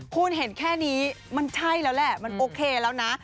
คุณเห็นแค่นี้มันใช่แล้วแหละมันโอเคแล้วนะ